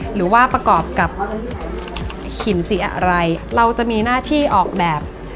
หรือว่าประกอบกับหินสีอะไรเราจะมีหน้าที่ออกแบบ